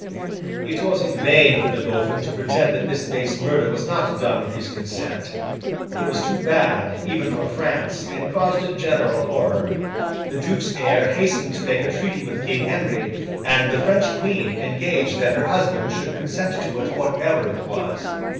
It was in vain for the Dauphin to pretend that this base murder was not done with his consent; it was too bad, even for France, and caused a general horror. The duke's heir hastened to make a treaty with King Henry, and the French Queen engaged that her husband should consent to it, whatever it was.